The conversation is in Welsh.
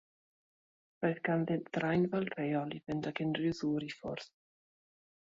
Roedd ganddynt ddraen fel rheol i fynd ag unrhyw ddŵr i ffwrdd.